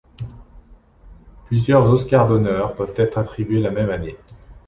Plusieurs Oscars d'honneur peuvent être attribués la même année.